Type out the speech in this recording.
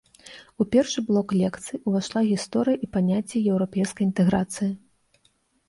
У першы блок лекцый увайшла гісторыя і паняцце еўрапейскай інтэграцыі.